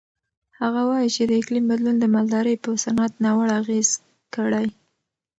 هغه وایي چې د اقلیم بدلون د مالدارۍ په صنعت ناوړه اغېز کړی.